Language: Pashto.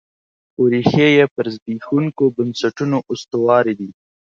خو ریښې یې پر زبېښونکو بنسټونو استوارې دي.